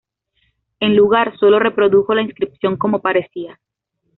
En lugar sólo reprodujo la inscripción como parecía.